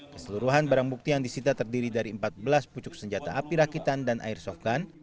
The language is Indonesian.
keseluruhan barang bukti yang disita terdiri dari empat belas pucuk senjata api rakitan dan airsoft gun